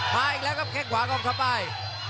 มาอีกแล้วครับแค่งขวาของสปาย